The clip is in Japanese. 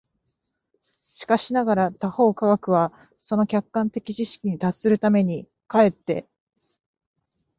しかしながら他方科学は、その客観的知識に達するために、却って